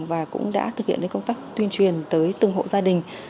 và cũng đã thực hiện công tác tuyên truyền tới từng hộ gia đình